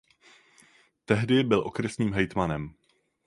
Tehdy byl okresním hejtmanem.